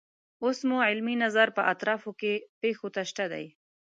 اوس مو علمي نظر په اطرافو کې پیښو ته شته دی.